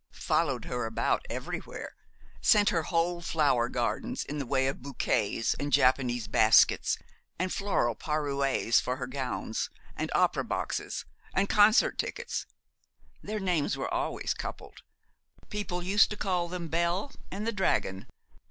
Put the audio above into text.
'Followed her about everywhere, sent her whole flower gardens in the way of bouquets and Japanese baskets, and floral parures for her gowns, and opera boxes and concert tickets. Their names were always coupled. People used to call them Bel and the Dragon.